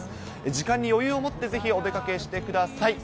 時間に余裕を持ってぜひお出かけしてください。